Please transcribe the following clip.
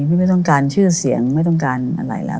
ไม่ต้องการชื่อเสียงไม่ต้องการอะไรแล้ว